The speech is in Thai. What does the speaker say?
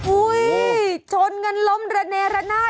อุ้ยชนกันล้มระเนระนาด